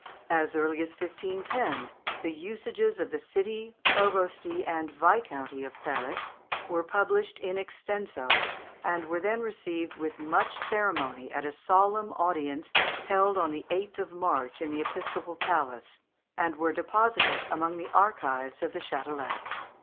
As early as 1510, the "Usages of the City, Provosty, and Viscounty of Paris," were published in extenso, and were then received with much ceremony at a solemn audience held on the 8th of March in the episcopal palace, and were deposited among the archives of the Châtelet (Fig.